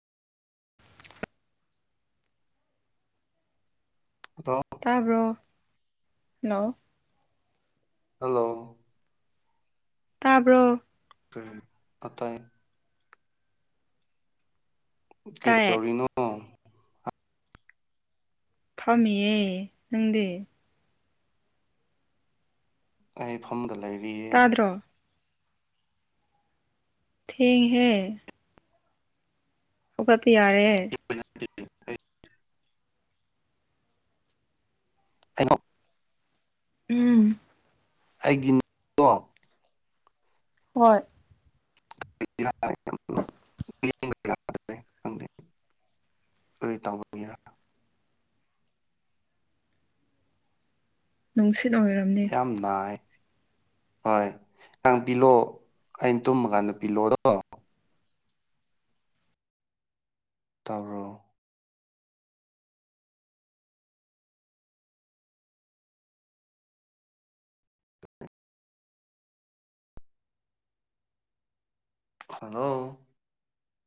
ꯑꯗꯣ ꯇꯥꯕ꯭ꯔꯣ ꯍꯜꯂꯣ ꯇꯥꯕ꯭ꯔꯣ ꯀ ꯑꯠꯇ ꯇꯥꯏꯌꯦ ꯀꯩꯗꯗꯧꯔꯤꯅꯣ ꯐꯥꯝꯃꯤꯌꯦ ꯅꯪꯗꯤ ꯑꯩꯐꯝꯐꯝꯗ ꯂꯩꯔꯤꯌꯦ ꯇꯥꯗ꯭ꯔꯣ ꯊꯦꯡꯍꯦ ꯑꯣꯄꯥꯄ ꯌꯥꯔꯦ [inaudible] ꯊꯅꯣ ꯎꯝ ꯑꯩꯒꯤ ꯍꯣꯏ [inaudible] ꯌꯥꯗ꯭ꯔꯦ ꯈꯪꯗꯦ ꯀꯔꯤ ꯇꯧꯕꯒꯤꯔ ꯅꯨꯡꯁꯤꯠ ꯑꯣꯏꯔꯝꯅꯤ ꯥꯏ ꯍꯣꯏ ꯅꯪ ꯄꯤꯂꯛꯑꯣ ꯑꯩꯅ ꯇꯨꯝꯃ ꯀꯥꯟꯗ ꯄꯤꯂꯛꯑꯣꯗꯣ ꯇꯧꯔꯣ ꯍꯜꯂꯣ